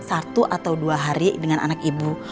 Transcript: satu atau dua hari dengan anak ibu